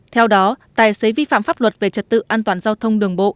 theo đó tài xế vi phạm pháp luật về trật tự an toàn giao thông đường bộ